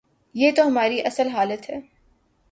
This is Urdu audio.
یہ تو ہماری اصل حالت ہے۔